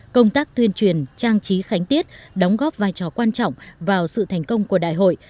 công tác tuyên truyền trang trí khánh tiết đóng góp vai trò quan trọng vào sự thành công của đại hội